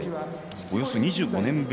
およそ２５年ぶり